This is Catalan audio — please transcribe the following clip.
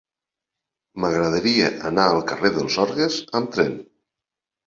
M'agradaria anar al carrer dels Orgues amb tren.